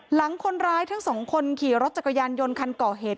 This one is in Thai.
หลังคนร้ายทั้งสองคนขี่รถจักรยานยนต์คันก่อเหตุ